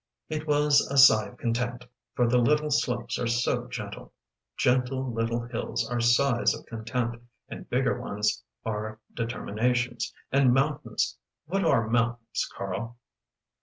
It was a sigh of content for the little slopes are so gentle. Gentle little hills are sighs of content, and bigger ones are determinations, and mountains what are mountains, Karl?"